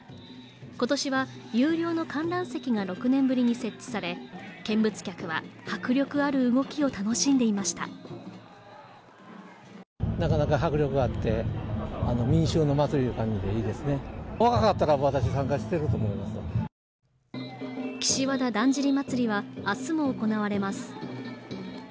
今年は有料の観覧席が６年ぶりに設置され見物客は迫力ある動きを楽しんでいました岸和田だんじり祭はあすも行われます